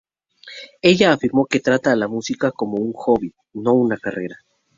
Ella afirmó que trata a la música como un "hobby, no una carrera.